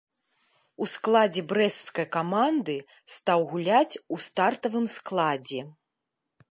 У складзе брэсцкай каманды стаў гуляць у стартавым складзе.